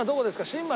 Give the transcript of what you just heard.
新町？